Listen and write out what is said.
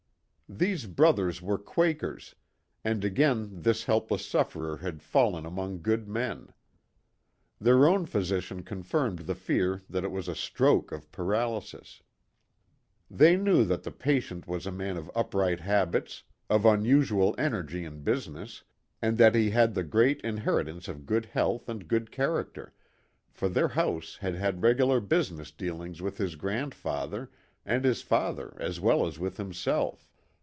These brothers were Quakers, and again this helpless sufferer had fallen among good men. Their own physician confirmed the fear that it was a stroke of paralysis. They knew that the patient was a man of upright habits, of unusual energy in business, and that he had the great inheritance of good health and good character, for their house had had regular business deal ings with his grandfather and his father as well as with himself.